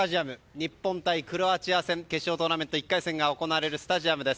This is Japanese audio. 日本対クロアチア戦決勝トーナメント１回戦が行われるスタジアムです。